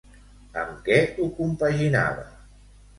Amb què ho compaginava?